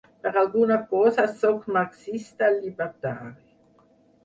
Per alguna cosa sóc marxista llibertari.